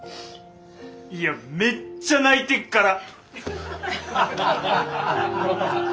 いやめっちゃ泣いてっから！